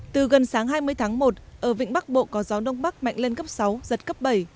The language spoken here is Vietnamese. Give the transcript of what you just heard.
từ gần sáng hai mươi tháng một ở vịnh bắc bộ có gió đông bắc mạnh lên cấp sáu giật cấp bảy